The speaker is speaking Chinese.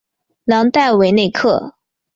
朗代韦内克。